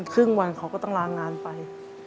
ครึ่งวันเขาก็ต้องลางานไป